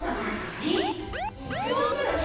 そうしたらね